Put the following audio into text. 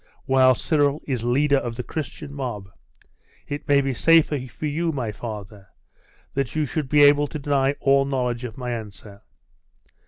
While Cyril is leader of the Christian mob, it may be safer for you, my father, that you should be able to deny all knowledge of my answer.